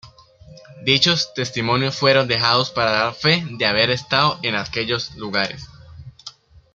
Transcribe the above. Dichos testimonios fueron dejados para dar fe de haber estado en aquellos lugares.